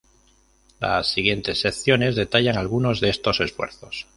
Las siguientes secciones detallan algunos de estos esfuerzos.